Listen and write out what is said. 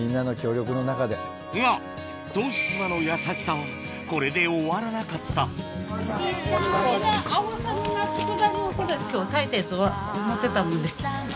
が答志島の優しさこれで終わらなかった持ってたもんで。